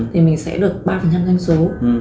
thì mình sẽ được ba danh số